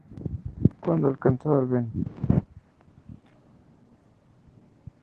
Cuando alcanzó al Ven.